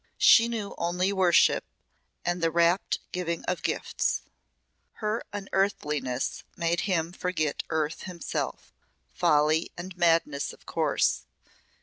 She knew only worship and the rapt giving of gifts. Her unearthliness made him forget earth himself. Folly and madness of course!